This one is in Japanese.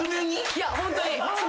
いやホントに爪。